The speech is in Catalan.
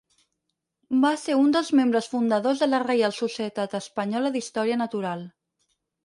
Va ser un dels membres fundadors de la Reial Societat Espanyola d'Història Natural.